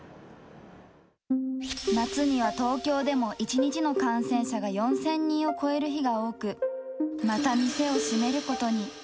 夏には東京でも１日の感染者が４０００人を超える日が多く、また店を閉めることに。